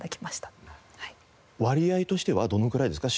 割合としてはどのぐらいですか？